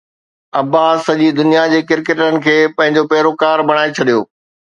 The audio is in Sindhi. عباس سڄي دنيا جي ڪرڪيٽرن کي پنهنجو پيروڪار بڻائي ڇڏيو